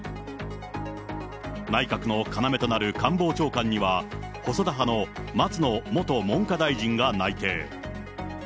内閣の要となる官房長官には、細田派の松野元文科大臣が内定。